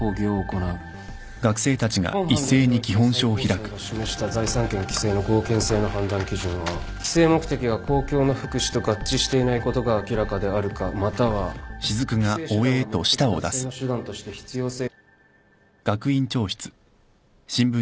本判例において最高裁が示した財産権規制の合憲性の判断基準は規制目的が公共の福祉と合致していないことが明らかであるかまたは規制手段が目的達成の手段として必要性。